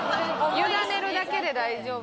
委ねるだけで大丈夫。